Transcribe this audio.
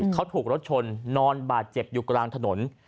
เขาถูกรถชนนอนบาดเจ็บอยู่กลางถนน